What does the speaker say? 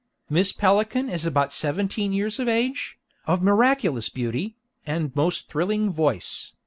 Miss Pelican is about seventeen years of age, of miraculous beauty, and most thrilling voice.